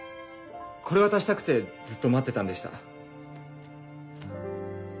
これ渡したくてずっと待ってたんでした。